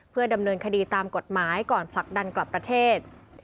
เพื่อดำเนินคดีตามกฎหมายก่อนผลักดันกลับประเทศ